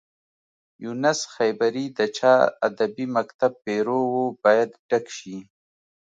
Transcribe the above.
یونس خیبري د چا ادبي مکتب پيرو و باید ډک شي.